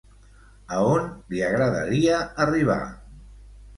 A on li agradaria arribar?